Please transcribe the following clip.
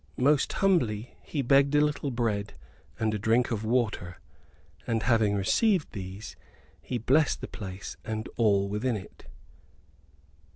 Most humbly he begged a little bread and a drink of water; and, having received these, he blessed the place and all within it.